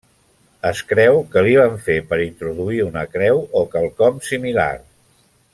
Es creu que li van fer per introduir una creu o quelcom similar.